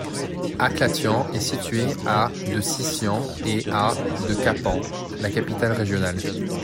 Akhlatyan est située à de Sisian et à de Kapan, la capitale régionale.